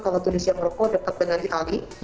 kalau tunisia meroko dekat dengan itali